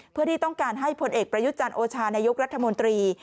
เพื่อที่ต้องการให้ผลเอกประยุจันทร์โอชานายกรัฐมนตรี